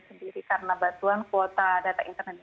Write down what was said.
sudah ada kebatuan kuota data internet